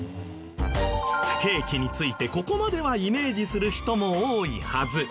不景気についてここまではイメージする人も多いはず。